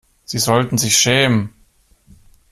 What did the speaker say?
Sie sollten sich schämen!